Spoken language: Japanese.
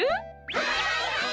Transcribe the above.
はいはいはい！